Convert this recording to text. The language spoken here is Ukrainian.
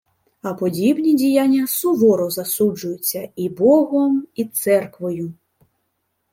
А подібні діяння суворо засуджуються і Богом, і церквою